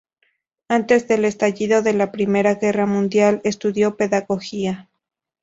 Antes del estallido de la Primera Guerra Mundial, estudió pedagogía.